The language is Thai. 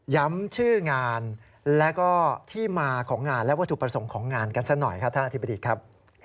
ชื่องานและก็ที่มาของงานและวัตถุประสงค์ของงานกันสักหน่อยครับท่านอธิบดีครับ